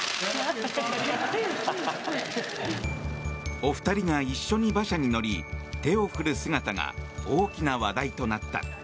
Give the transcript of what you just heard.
お二人が一緒に馬車に乗り手を振る姿が大きな話題となった。